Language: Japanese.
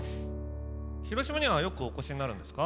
広島にはよくお越しになるんですか？